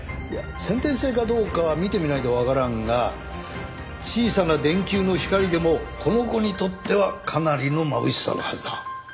先天性かどうかは診てみないとわからんが小さな電球の光でもこの子にとってはかなりのまぶしさのはずだ。